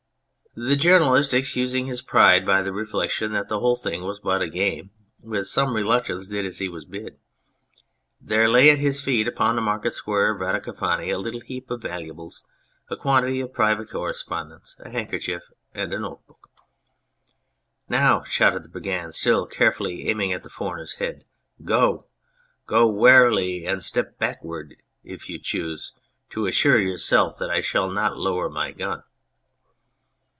The journalist, excusing his pride by the reflection that the whole thing was but a game, with some reluctance did as he was bid. There lay at his feet upon the market square of Radicofani a little heap of valuables, a quantity of private correspondence, a handkerchief and a note book. "Now," shouted the Brigand, still carefully aiming at the foreigner's head, " go ! Go warily, and step backward if you choose, to assure yourself that I shall not lower my gun."